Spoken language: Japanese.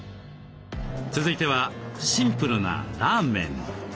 続いてはシンプルなラーメン。